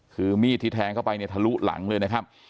คือมีดที่แทงเข้าไปเนี่ยทะลุหลังเลยนะครับ